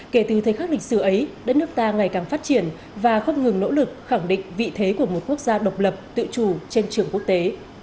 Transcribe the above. kể từ thời khắc lịch sử ấy đất nước ta ngày càng phát triển và không ngừng nỗ lực khẳng định vị thế của một quốc gia độc lập tự chủ trên trường quốc tế